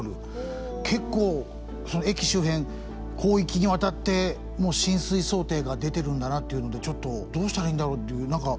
結構駅周辺広域にわたって浸水想定が出てるんだなっていうのでちょっとどうしたらいいんだろうっていう何か。